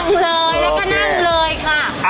เลยแล้วก็นั่งเลยค่ะ